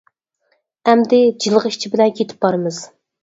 ئەمدى جىلغا ئىچى بىلەن كېتىپ بارىمىز.